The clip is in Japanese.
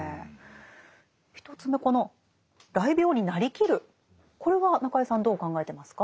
１つ目この「癩病に成りきる」これは中江さんどう考えてますか？